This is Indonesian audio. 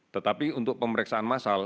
tetapi untuk pemeriksaan massal